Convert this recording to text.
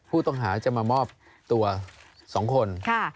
ผู้ต้องหาจะมามอบตัว๒คน